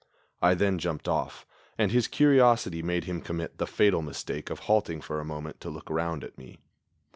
I then jumped off, and his curiosity made him commit the fatal mistake of halting for a moment to look round at me.